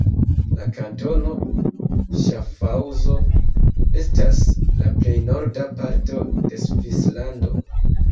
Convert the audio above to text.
La kantono Ŝafhaŭzo estas la plej norda parto de Svislando.